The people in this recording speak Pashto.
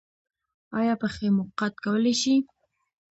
ایا پښې مو قات کولی شئ؟